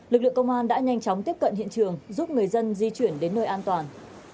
lực lượng công an đã nhanh chóng tiếp cận hiện trường giúp người dân di chuyển đến nơi an toàn